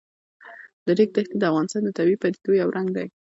د ریګ دښتې د افغانستان د طبیعي پدیدو یو رنګ دی.